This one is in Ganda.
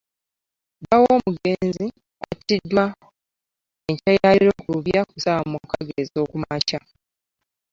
Bba w'omugezi, attiddwa enkya ya leero ku Lubya ku saawa mukaaga ez'okumakya.